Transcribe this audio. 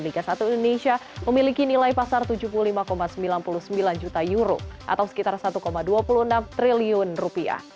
liga satu indonesia memiliki nilai pasar tujuh puluh lima sembilan puluh sembilan juta euro atau sekitar satu dua puluh enam triliun rupiah